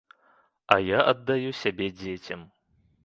А я аддаю сябе дзецям.